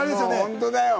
本当だよ。